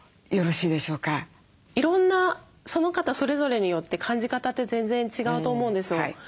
いろんなその方それぞれによって感じ方って全然違うと思うんですよ。